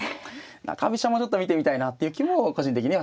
中飛車もちょっと見てみたいなっていう気も個人的にはしています。